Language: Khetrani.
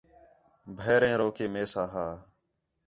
بھیریں رو کے میساں ہا